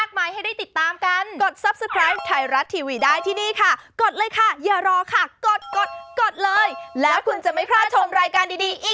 สำหรับสาวสายสตรองทุกคน